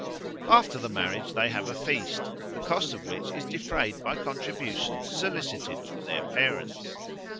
After the marriage they have a feast, the cost of which is defrayed by contributions solicited from their parents.